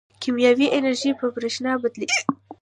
کیمیاوي انرژي په برېښنا بدلېږي.